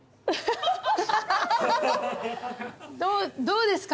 どうですか？